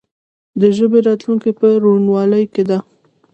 د ژبې راتلونکې په روڼوالي کې ده.